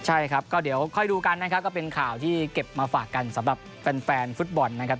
ใช่ครับก็เดี๋ยวค่อยดูกันนะครับก็เป็นข่าวที่เก็บมาฝากกันสำหรับแฟนฟุตบอลนะครับ